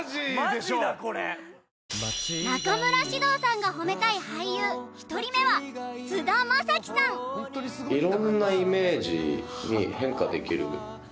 中村獅童さんが褒めたい俳優１人目は菅田将暉さんまるっきり